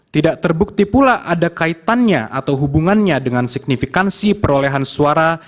tidak terbukti pula ada kaitannya atau hubungannya dengan signifikansi perolehan suara